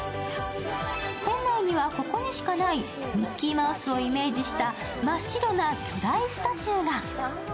店内にはここにしかない、ミッキーマウスをイメージした真っ白な巨大スタチューが。